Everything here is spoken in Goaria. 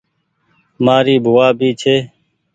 مآري ڀووآ بي ڇي ۔